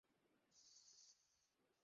তবে আমার কাছে পাপা আছে আর সে অনেক ভালো।